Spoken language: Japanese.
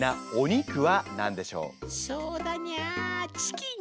そうだにゃーチキン？